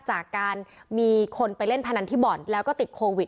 จากการมีคนไปเล่นพนันที่บ่อนแล้วก็ติดโควิด